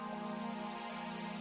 ya kamu masuk dulu ya